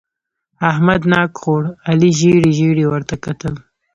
احمد ناک خوړ؛ علي ژېړې ژېړې ورته کتل.